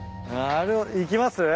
いきます？